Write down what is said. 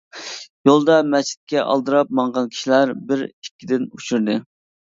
يولدا مەسچىتكە ئالدىراپ ماڭغان كىشىلەر بىر-ئىككىدىن ئۇچرىدى.